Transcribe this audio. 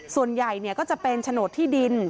ส่วนใหญ่ก็จะเป็นโฉนดที่ดิน